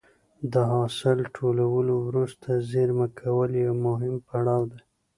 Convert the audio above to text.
د حاصل ټولولو وروسته زېرمه کول یو مهم پړاو دی.